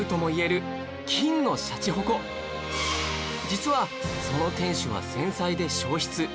実はその天守は戦災で焼失